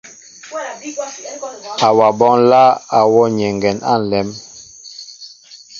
Awaɓó nláá a wɔ nyɛŋgɛ á nlém.